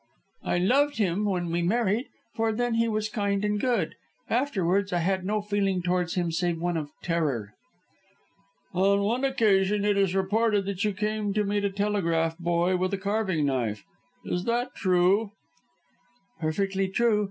"I loved him when we married, for then he was kind and good. Afterwards I had no feeling towards him save one of terror." "On one occasion it is reported that you came to meet a telegraph boy with a carving knife. Is that true?" "Perfectly true.